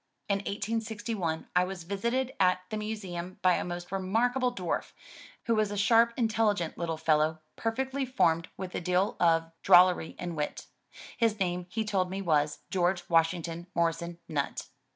In 1861 I was visited at the Museum by a most remarkable dwarf, who was a sharp intelligent little fellow perfectly formed with a deal of drollery and wit. His name he told me was George Washington Morrison Nutt.